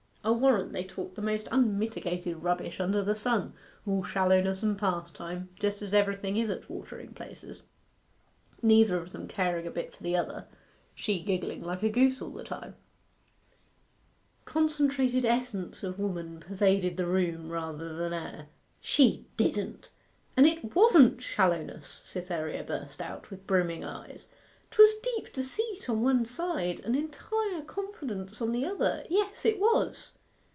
I'll warrant they talked the most unmitigated rubbish under the sun all shallowness and pastime, just as everything is at watering places neither of them caring a bit for the other she giggling like a goose all the time ' Concentrated essence of woman pervaded the room rather than air. 'She didn't! and it wasn't shallowness!' Cytherea burst out, with brimming eyes. ''Twas deep deceit on one side, and entire confidence on the other yes, it was!